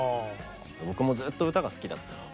僕もずっと歌が好きだったので。